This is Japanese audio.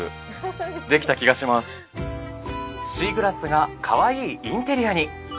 シーグラスがカワイイインテリアに